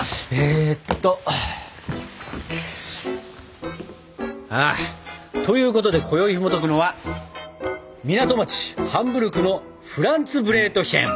えっと。ということでこよいひもとくのは「港町ハンブルクのフランツブレートヒェン」。